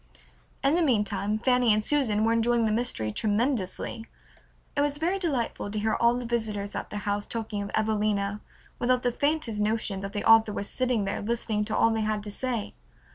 In the meantime Fanny and Susan were enjoying the mystery tremendously. It was very delightful to hear all the visitors at their house talking of "Evelina" without the faintest notion that the author was sitting there listening to all they had to say.